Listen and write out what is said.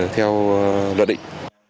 theo luật định